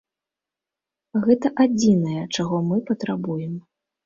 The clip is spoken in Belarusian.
Гэта адзінае, чаго мы патрабуем.